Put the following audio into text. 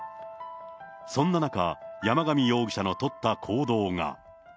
そんな中、山上容疑者の取った行動が。